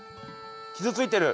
傷ついてる。